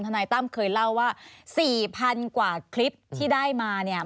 นายตั้มเคยเล่าว่า๔๐๐๐กว่าคลิปที่ได้มาเนี่ย